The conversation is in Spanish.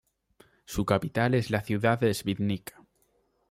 Su capital es la ciudad de Svidník.